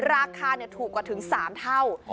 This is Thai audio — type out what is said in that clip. ราคาถูกกว่าถึง๓เท่า